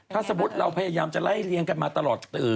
ถ้าสมมุติเราพยายามจะไล่เลี้ยงกันมาตลอด